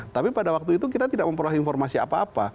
tapi pada waktu itu kita tidak memperoleh informasi apa apa